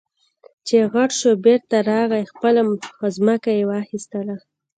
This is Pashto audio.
چې غټ شو بېرته راغی خپله ځمکه يې واخېستله.